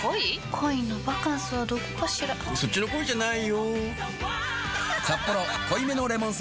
恋のバカンスはどこかしらそっちの恋じゃないよ